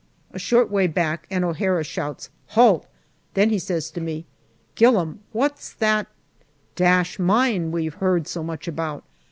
A short way back and O'Hara shouts " Halt !" Then he says to me, " Gillam, where's that mine we've heard so much about